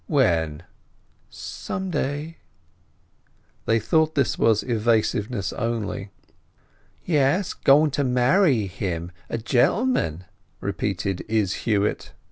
"When?" "Some day." They thought that this was evasiveness only. "Yes—going to marry him—a gentleman!" repeated Izz Huett.